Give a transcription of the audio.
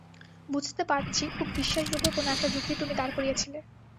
বুঝতে পারছি খুব বিশ্বাসযোগ্য কোন একটা যুক্তি তুমি দাঁড় করিয়েছিলে।